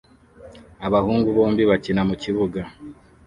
Abahungu bombi bakina mukibuga